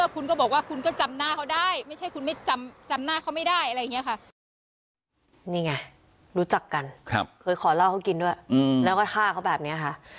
กันครับเคยขอเล่าเขากินด้วยอืมแล้วก็ฆ่าเขาแบบนี้ค่ะ